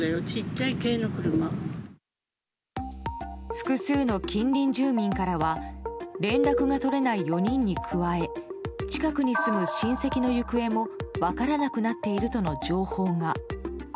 複数の近隣住民からは連絡が取れない４人に加え近くに住む親戚の行方も分からなくなっているとの情報が。